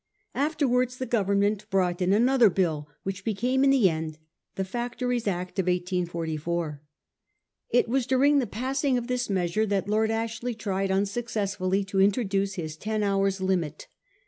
Afterwards the Government brought in another bill, which, became in the end the Factories Act of 1844. It was during the passing of this measure that Lord Ashley tried unsuccessfully to introduce his ten hours' limit.